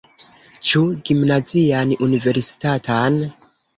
Ĉu gimnazian, universitatan?